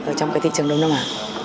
ở trong cái thị trường đông nam á